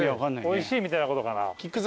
おいしいみたいなことかな。